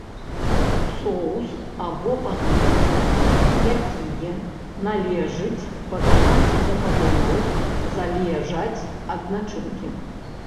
Соус або падліўка, якія належыць падаваць да калдуноў, залежаць ад начынкі.